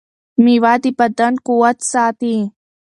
مېوه د بدن قوت ساتي.